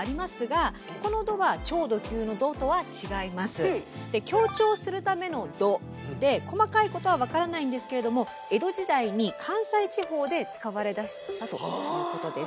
そうそうそうオきゅう。強調するための「ど」で細かいことは分からないんですけれども江戸時代に関西地方で使われだしたということです。